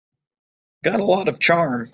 Got a lot of charm.